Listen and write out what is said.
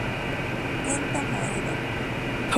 Kenta Maeda